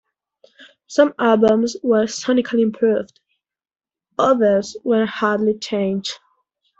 Some albums were sonically improved, others were hardly changed.